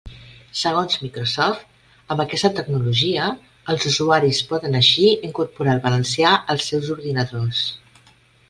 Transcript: Segons Microsoft, amb aquesta tecnologia els usuaris poden així incorporar el valencià als seus ordinadors.